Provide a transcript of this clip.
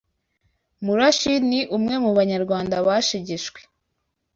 Murashi ni umwe mu banyarwanda bashegeshwe